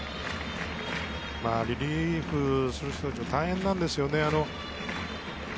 リリーフする人たちも大変なんですよね。